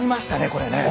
これね。